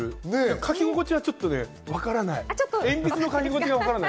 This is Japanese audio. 書き心地はちょっとわからない。